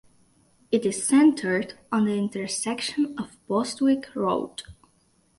It is centered on the intersection of Bostwick Rd.